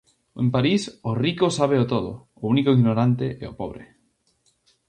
En París o rico sábeo todo, o único ignorante é o pobre.